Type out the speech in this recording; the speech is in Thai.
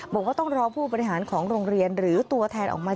บอกว่าต้องรอผู้บริหารของโรงเรียนหรือตัวแทนออกมา